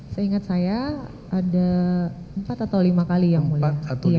seingat saya ada empat atau lima kali yang mulia